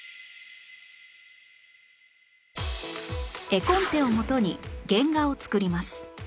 絵コンテを元に原画を作ります